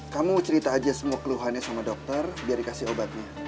kamu cerita aja semua keluhannya sama dokter biar dikasih obatnya